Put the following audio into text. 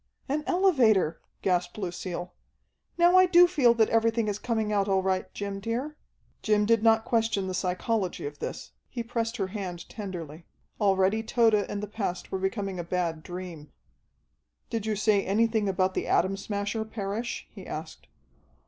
"An elevator!" gasped Lucille. "Now I do feel that everything is coming out all right, Jim, dear." Jim did not question the psychology of this. He pressed her hand tenderly. Already Tode and the past were becoming a bad dream. "Did you say anything about the Atom Smasher, Parrish?" he asked.